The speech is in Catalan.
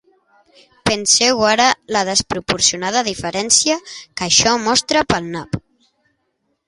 Penseu ara la desproporcionada deferència que això mostra pel nap.